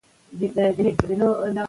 شنه بوټي د هوا او غږ د ککړتیا مخه نیسي.